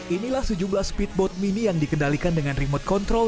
inilah sejumlah speedboat mini yang dikendalikan dengan remote control